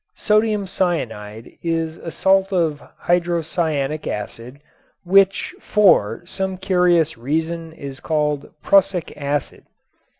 Sodium cyanide is a salt of hydrocyanic acid, which for, some curious reason is called "Prussic acid."